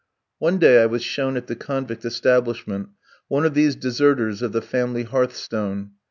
One day, I was shown at the convict establishment one of these deserters of the family hearthstone.